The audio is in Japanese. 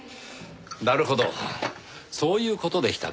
なるほどそういう事でしたか。